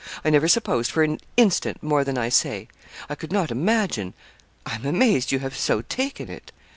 I never supposed for an instant more than I say. I could not imagine I am amazed you have so taken it.'